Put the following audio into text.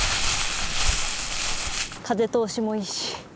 風通しもいいし。